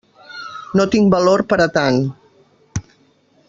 No tinc valor per a tant.